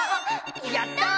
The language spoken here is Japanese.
やったー！